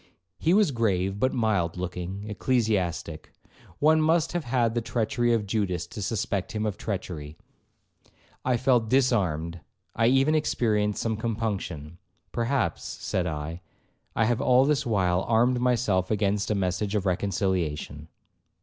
He was a grave, but mild looking ecclesiastic; one must have had the treachery of Judas to suspect him of treachery. I felt disarmed, I even experienced some compunction. 'Perhaps,' said I, 'I have all this while armed myself against a message of reconciliation.'